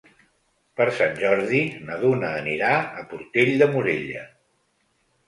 Per Sant Jordi na Duna anirà a Portell de Morella.